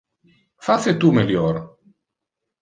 Face tu melior!